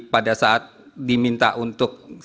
pada saat diminta untuk